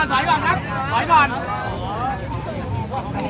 หลบฝีมือ